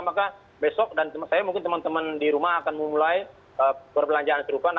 maka besok dan saya mungkin teman teman di rumah akan memulai perbelanjaan serupa